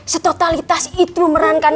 mas al kayaknya berpenguruhan